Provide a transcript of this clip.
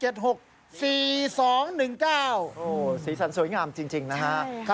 โอ้สีสันสวยงามจริงนะครับ